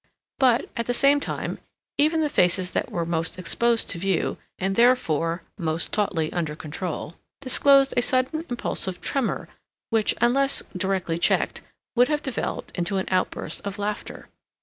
But, at the same time, even the faces that were most exposed to view, and therefore most tautly under control, disclosed a sudden impulsive tremor which, unless directly checked, would have developed into an outburst of laughter.